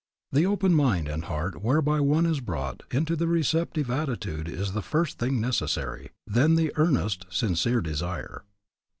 The open mind and heart whereby one is brought into the receptive attitude is the first thing necessary. Then the earnest, sincere desire.